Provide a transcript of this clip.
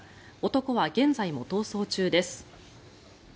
男は現在も逃走中です。